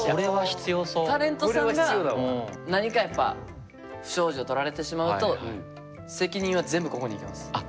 タレントさんが何かやっぱ不祥事を撮られてしまうと責任は全部ここにいきます。